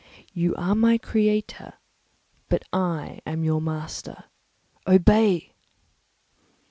You are my creator, but I am your master; obey!"